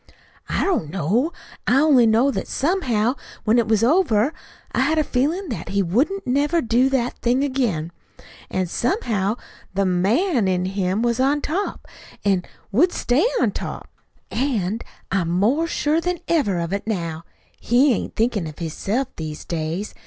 "I don't know. I only know that somehow, when it was over, I had a feelin' that he wouldn't never do that thing again. That somehow the MAN in him was on top, an' would stay on top. An' I'm more sure than ever of it now. He ain't thinkin' of hisself these days.